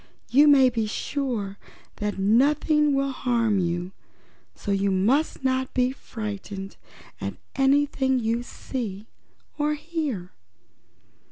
You may be sure that nothing will harm you, so you must not be frightened at anything you see or hear."